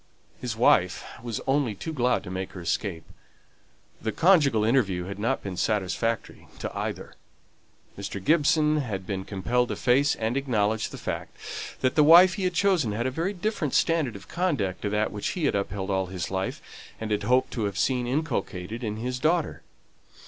His wife was only too glad to make her escape. The conjugal interview had not been satisfactory to either. Mr. Gibson had been compelled to face and acknowledge the fact, that the wife he had chosen had a very different standard of conduct from that which he had upheld all his life, and had hoped to have seen inculcated in his daughter.